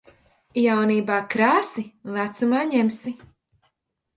Jaunībā krāsi, vecumā ņemsi.